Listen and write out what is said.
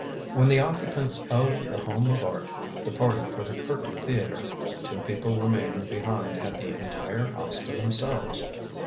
When the occupants of The Home of Art departed for the Curtain Theatre, two people remaining behind had the entire house to themselves.